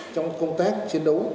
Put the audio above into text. trong công tác chiến đấu